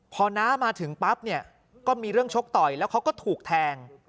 พอน้ามาถึงปั๊บเนี่ยก็มีเรื่องชกต่อยแล้วเขาก็ถูกแทง